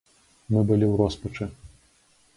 Мы былі ў роспачы.